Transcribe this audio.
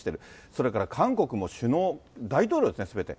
それから韓国も首脳、大統領ですね、すべて。